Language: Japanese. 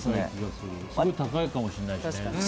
すごい高いかもしれないしね。